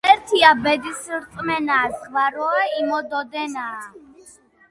ღმერთია ბედის რწმენა, ზღვა როა იმოდოდენაა